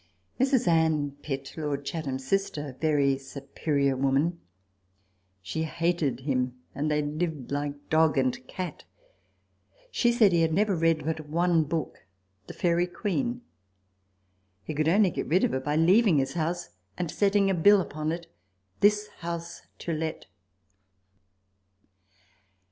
* Mrs. Anne Pitt, Lord Chatham's sister, a very superior woman. She hated him, and they lived like dog and cat. She said he had never read but one book " The Fairy Queen." He could only get rid of her by leaving his house, and setting a bill upon it, " This house to let."